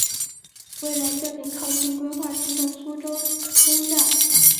未来这里靠近规划中的苏州东站。